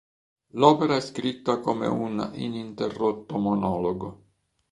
L'opera è scritta come un ininterrotto monologo.